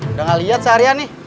udah gak liat seharian nih